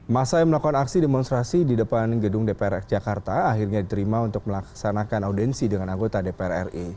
masa yang melakukan aksi demonstrasi di depan gedung dpr jakarta akhirnya diterima untuk melaksanakan audensi dengan anggota dpr ri